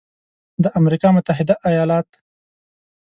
د امریکا متحده ایالات